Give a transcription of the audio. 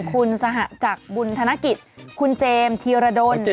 คุณสหจักรบุญธนกิจคุณเจมส์ธีรดล